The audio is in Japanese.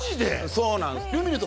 そうなんです